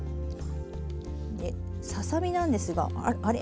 でささ身なんですがあれ？